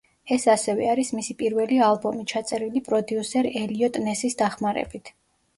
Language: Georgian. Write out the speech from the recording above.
ეს ასევე არის მისი პირველი ალბომი, ჩაწერილი პროდიუსერ ელიოტ ნესის დახმარებით.